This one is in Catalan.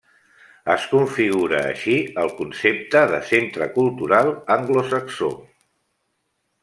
Es configura així el concepte de centre cultural anglosaxó.